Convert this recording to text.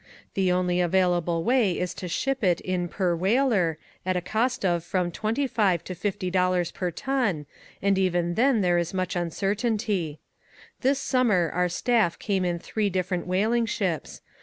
The only available way is to ship it in per whaler at a cost of from $25 to $50 per ton, and even then there is much uncer tainty. This summer our stuff came in three different whaling ships.